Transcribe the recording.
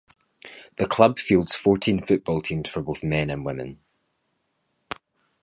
The club fields fourteen football teams for both men and women.